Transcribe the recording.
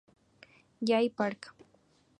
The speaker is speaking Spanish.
Jay Park